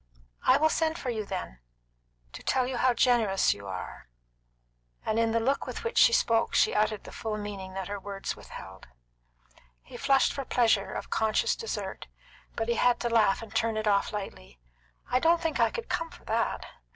"I will send for you, then to tell you how generous you are," and in the look with which she spoke she uttered the full meaning that her words withheld. He flushed for pleasure of conscious desert, but he had to laugh and turn it off lightly. "I don't think I could come for that.